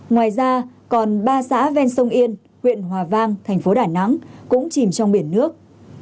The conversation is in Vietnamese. ngoài ra còn ba xã ven sông yên huyện hòa vang thành phố đà nẵng cũng chìm trong biển nước